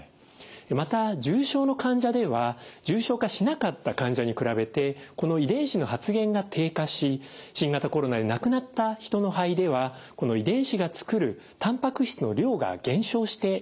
また重症の患者では重症化しなかった患者に比べてこの遺伝子の発現が低下し新型コロナで亡くなった人の肺ではこの遺伝子が作るたんぱく質の量が減少していました。